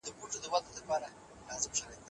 ایا د مرهټیانو لښکر بیا راټول شو؟